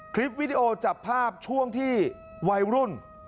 คลิปวิดีโอจับภาพช่วงที่วัยรุ่น